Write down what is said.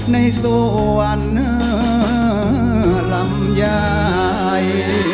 ในส่วนลำยาย